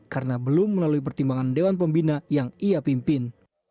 karena belum melalui pertimbangan dewan pembina yang ia pimpin